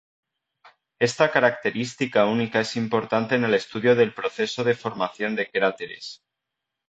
Esta característica única es importante en el estudio del proceso de formación de cráteres.